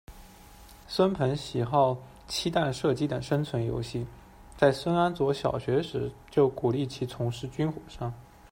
孙鹏喜好漆弹射击等生存游戏，在孙安佐小学时就鼓励其从事军火商。